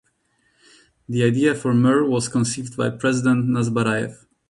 The idea for Mir was conceived by President Nazarbayev.